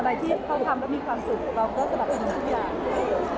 อะไรที่พ่อทำแล้วมีความสุขเราก็สำหรับคุณทุกอย่าง